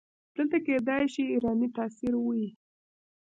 دلته کیدای شي ایرانی تاثیر وي.